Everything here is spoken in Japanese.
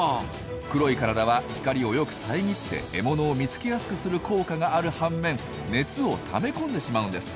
黒い体は光をよくさえぎって獲物を見つけやすくする効果がある半面熱をためこんでしまうんです。